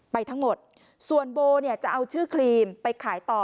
ไปทั้งหมดส่วนโบเนี่ยจะเอาชื่อครีมไปขายต่อ